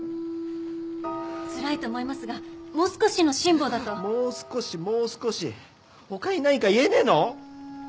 つらいと思いますがもう少しの辛抱だと。もう少しもう少し他に何か言えねえの？